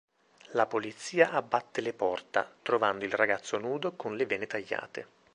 La polizia abbatte le porta, trovando il ragazzo nudo con le vene tagliate.